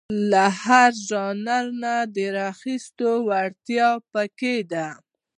له هر ژانره د راخیستو وړتیا په کې ده.